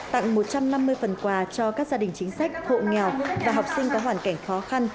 tặng một trăm năm mươi phần quà cho các gia đình chính sách hộ nghèo và học sinh có hoàn cảnh khó khăn